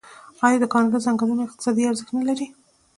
آیا د کاناډا ځنګلونه اقتصادي ارزښت نلري؟